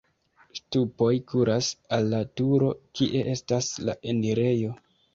Ŝtupoj kuras al la turo, kie estas la enirejo.